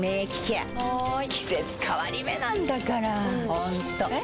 ホントえ？